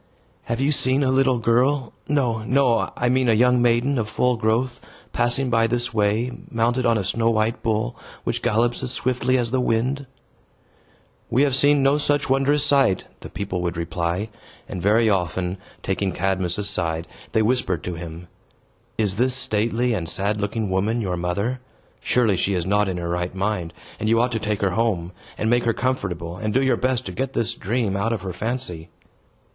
"Have you seen a little girl no, no, I mean a young maiden of full growth passing by this way, mounted on a snow white bull, which gallops as swiftly as the wind?" "We have seen no such wondrous sight," the people would reply; and very often, taking Cadmus aside, they whispered to him, "Is this stately and sad looking woman your mother? Surely she is not in her right mind; and you ought to take her home, and make her comfortable, and do your best to get this dream out of her fancy."